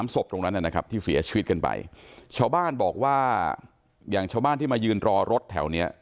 ศพตรงนั้นนะครับที่เสียชีวิตกันไปชาวบ้านบอกว่าอย่างชาวบ้านที่มายืนรอรถแถวเนี้ย